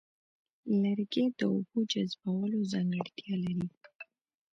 لرګي د اوبو جذبولو ځانګړتیا لري.